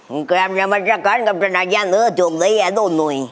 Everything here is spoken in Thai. อุ้ยเคยอาจจะมาชะกันกับฉันอาญานึกว่าโชคดีอ่ะโดนหนุ่ย